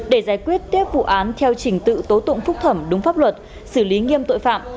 để giải quyết tiếp vụ án theo trình tự tố tụng phúc thẩm đúng pháp luật xử lý nghiêm tội phạm